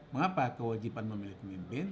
mengapa kewajiban memilih pemimpin